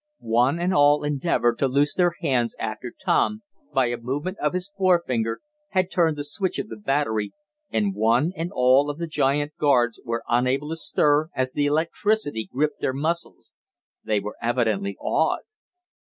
One and all endeavored to loose their hands after Tom, by a movement of his forefinger, had turned the switch of the battery, and one and all of the giant guards were unable to stir, as the electricity gripped their muscles. They were evidently awed.